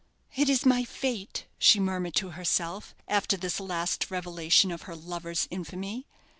"It is my fate," she murmured to herself, after this last revelation of her lover's infamy.